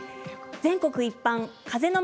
全国一般、風ノ